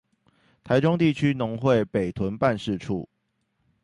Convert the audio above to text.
臺中地區農會北屯辦事處